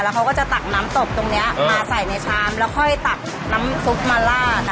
เขาก็จะตักน้ำตกตรงนี้มาใส่ในชามแล้วค่อยตักน้ำซุปมาลาด